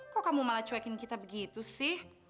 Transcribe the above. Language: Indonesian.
kok kamu malah cuekin kita begitu sih